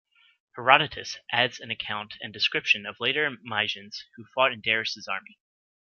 Herodotus adds an account and description of later Mysians who fought in Darius' army.